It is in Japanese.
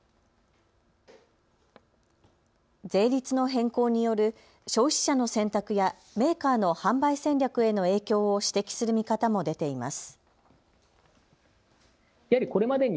税率の変更による消費者の選択やメーカーの販売戦略への影響を指摘する見方も出ています。